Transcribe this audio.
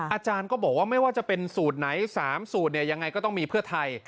อาจารย์ก็บอกว่าไม่ว่าจะเป็นสูตรไหน๓สูตรเนี่ยยังไงก็ต้องมีเพื่อไทย